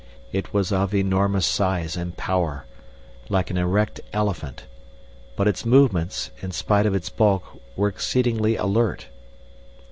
It was of enormous size and power, like an erect elephant, but its movements, in spite of its bulk, were exceedingly alert.